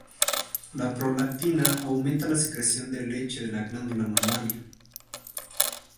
La prolactina aumenta la secreción de leche de la glándula mamaria.